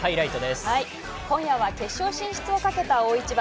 今夜は決勝進出をかけた大一番。